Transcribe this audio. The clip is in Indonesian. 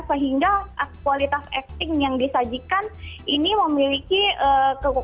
sehingga kualitas acting yang disajikan ini memiliki kekuatan